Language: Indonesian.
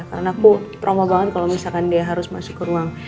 karena aku trauma banget kalo misalkan dia harus masuk ke ruang